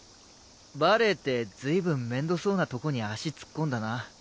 バレエって随分めんどそうなとこに足突っ込んだな。